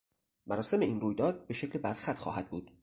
مراسم این رویداد به شکل برخط خواهد بود